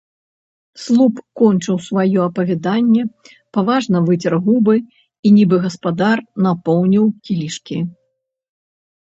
Слуп кончыў сваё апавяданне, паважна выцер губы і, нібы гаспадар, напоўніў кілішкі.